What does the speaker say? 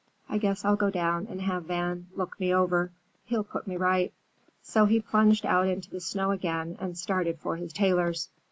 "I guess I'll go down and have Van look me over. He'll put me right." So he plunged out into the snow again and started for his tailor's.